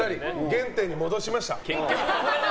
原点に戻しました。